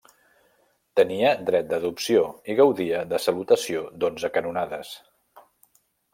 Tenia dret d'adopció i gaudia de salutació d'onze canonades.